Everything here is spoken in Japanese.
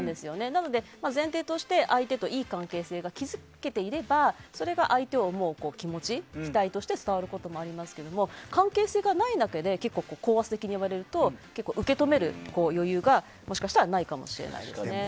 なので前提として相手といい関係性が築けていればそれが相手を思う気持ち期待として伝わることもあるんですけど関係性がないだけで高圧的に伝わると受け止める余裕がないのかもしれないですね。